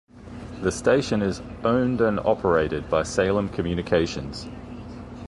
The station is owned and operated by Salem Communications.